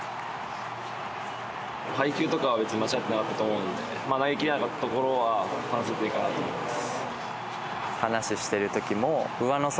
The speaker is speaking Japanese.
配球とかは別に間違ってなかったと思うんで投げきれなかったところは反省点かなと思います。